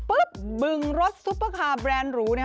บึงรถซุปเปอร์คาร์แบรนด์หรู